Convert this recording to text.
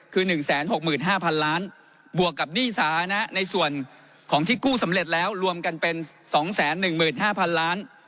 คือ๑๖๕๐๐๐ล้านบวกกับหนี้สาธารณะในส่วนของที่กู้สำเร็จแล้วรวมกันเป็น๒๑๕๐๐๐ล้าน